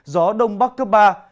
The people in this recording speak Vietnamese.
gió đông bắc cấp ba